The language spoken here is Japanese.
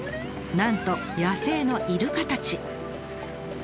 なんと野生のイルカたち。